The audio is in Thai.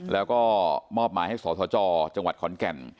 แล้วก็มอบหมายให้สสจจังหวัดขอนแก่น